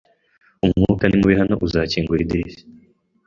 Umwuka ni mubi hano. Uzakingura idirishya?